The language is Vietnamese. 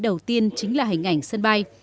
đầu tiên chính là hình ảnh sân bay